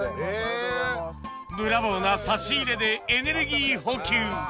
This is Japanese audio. ブラボーな差し入れでエネルギー補給